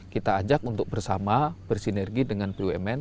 sejak itu kami bersama bersinergi dengan bumn